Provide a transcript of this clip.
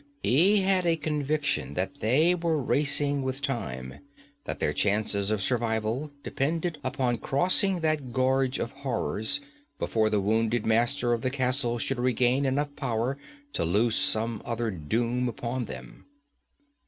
He had a conviction that they were racing with time, that their chances of survival depended upon crossing that gorge of horrors before the wounded Master of the castle should regain enough power to loose some other doom upon them.